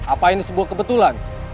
apa ini sebuah kebetulan